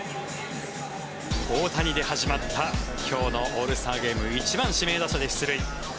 大谷で始まった今日のオールスターゲーム１番指名打者で出場。